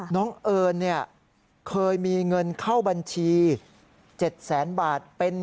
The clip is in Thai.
น้องเอิญเนี่ยเคยมีเงินเข้าบัญชี๗๐๐๐๐๐บาทเป็น